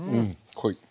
濃い。